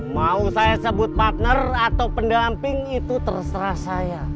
mau saya sebut partner atau pendamping itu terserah saya